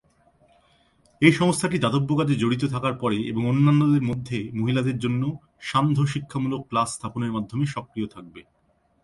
এই সংস্থাটি দাতব্য কাজে জড়িত থাকার পরে এবং অন্যান্যদের মধ্যে মহিলাদের জন্য সান্ধ্য শিক্ষামূলক ক্লাস স্থাপনের মাধ্যমে সক্রিয় থাকবে।